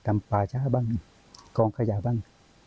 ป่าช้าบ้างกองขยะบ้าง